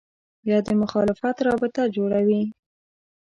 یا د مخالفت رابطه جوړوي